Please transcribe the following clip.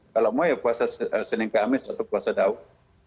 kalau mau ya puasa senin kamis atau puasa daud